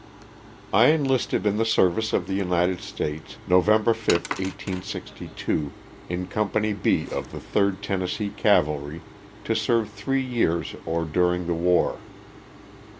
T ENLISTED in the service of the United States * November 5, 1862, in Company B of the 3rd Ten nessee Cavalry, to serve three years or during the war.